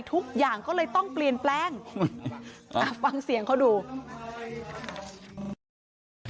ทุกอย่างก็เลยต้องเปลี่ยนแปลงอ่ะฟังเสียงเขาดู